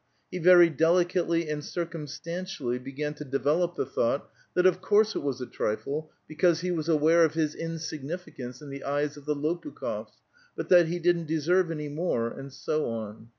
He very delicately and circumstantially began to develop the thought that of course it was a tritlc, because he was aware of his insignificance in the eyes of the L()piikh6f8, but that he didn't deseiTC any more ; and so on.